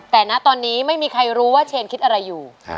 แต่ณตอนนี้ไม่มีใครรู้ว่าเชนคิดอะไรอยู่